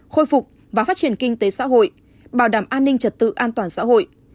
khôi phục và phát triển kinh tế xã hội bảo đảm an ninh trật tự an toàn xã hội